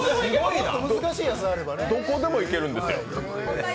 どこでも行けるんですよ。